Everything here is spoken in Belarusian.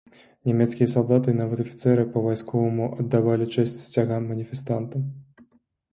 Нямецкія салдаты і нават афіцэры па-вайсковаму аддавалі чэсць сцягам маніфестантаў.